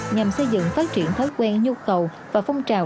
nhằm xây dựng phát triển thói quen nhu cầu và phong trào